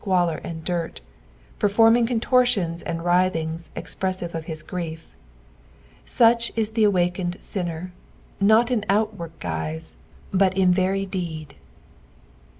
■qualor and dirt, perfnmuDg contortions and writhiogs expreBsive of his grief ; BUch U th« awakened BinneT, not in outward guise, but in Ter; deed.